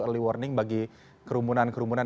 early warning bagi kerumunan kerumunan